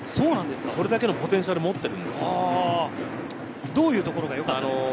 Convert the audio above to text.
それだけのポテンシャルを持っているんどういうところがよかったですか？